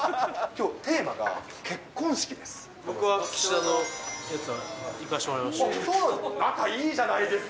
きょう、テーマが結婚式です。